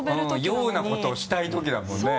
陽なことをしたいときだもんね。